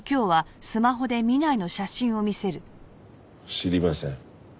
知りません。